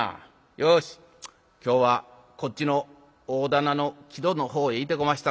よし今日はこっちの大店の木戸の方へいてこましたろかな。